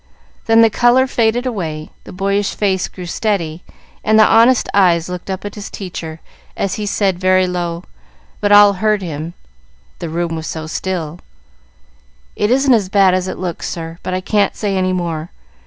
Then the color faded away, the boyish face grew steady, and the honest eyes looked up at his teacher as he said very low, but all heard him, the room was so still, "It isn't as bad as it looks, sir, but I can't say any more.